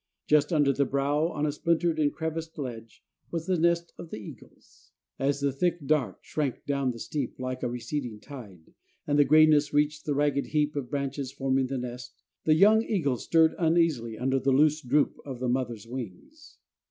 Just under the brow, on a splintered and creviced ledge, was the nest of the eagles. As the thick dark shrank down the steep like a receding tide, and the grayness reached the ragged heap of branches forming the nest, the young eagles stirred uneasily under the loose droop of the mother's wings.